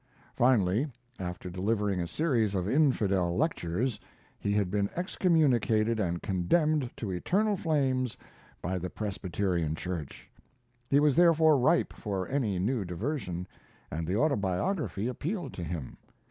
Finally, after delivering a series of infidel lectures; he had been excommunicated and condemned to eternal flames by the Presbyterian Church. He was therefore ripe for any new diversion, and the Autobiography appealed to him.